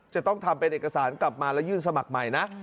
จะต้องทำเป็นเอกสารกลับมาแล้วยื่นสมัครใหม่นะ